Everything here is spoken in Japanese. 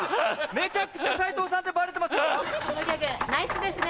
めちゃくちゃ斉藤さんってバレてますよ。